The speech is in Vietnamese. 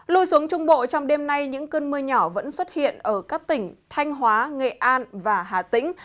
lùi xuống trung bộ trong đêm nay những cơn mưa nhỏ vẫn xuất hiện ở các tỉnh thanh hóa nghệ an và hà tĩnh